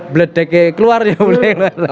beledek keluar ya boleh